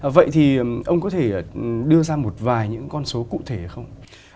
vậy thì ông có thể đưa ra một vài những con số cụ thể hay không